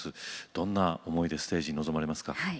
どんな思いでステージに臨まれますか？